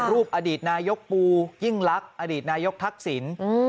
อดีตนายกปูยิ่งลักษณ์อดีตนายกทักษิณ